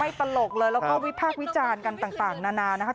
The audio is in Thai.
ตลกเลยแล้วก็วิพากษ์วิจารณ์กันต่างนานานะครับ